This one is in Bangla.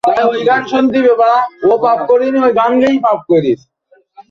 আমি রাখছি এটা।